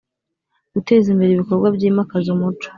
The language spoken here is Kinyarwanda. Guteza imbere ibikorwa byimakaza umuco